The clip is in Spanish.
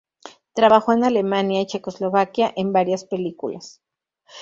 Trabajó en Alemania y Checoslovaquia en varias películas.